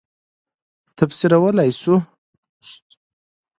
تفسیرولای شو.